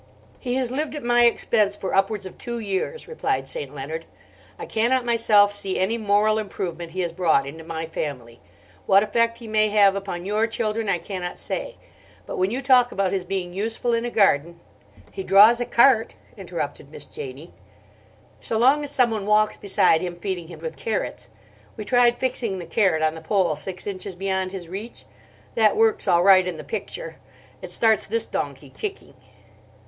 "He has lived at my expense for upwards of two years," replied St. Leonard. "I cannot myself see any moral improvement he has brought into my family. What effect he may have upon your children, I cannot say. But when you talk about his being useful in a garden—" "He draws a cart," interrupted Miss Janie. "So long as someone walks beside him feeding him with carrots. We tried fixing the carrot on a pole six inches beyond his reach. That works all right in the picture: it starts this donkey kicking."